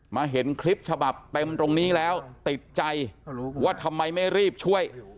เห็นคลิปฉบับเต็มตรงนี้แล้วติดใจว่าทำไมไม่รีบช่วย